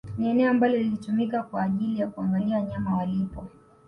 Ni eneo ambalo lilitumika kwa ajili ya kuangalia wanyama walipo